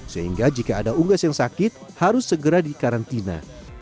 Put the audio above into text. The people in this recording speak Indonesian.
sehingga jika ada unggas yang sakit harus segera dikarantina